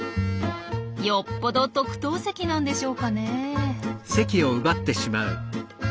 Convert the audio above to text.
よっぽど特等席なんでしょうかねえ。